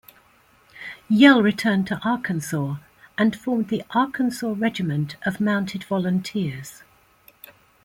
Yell returned to Arkansas and formed the Arkansas Regiment of Mounted Volunteers.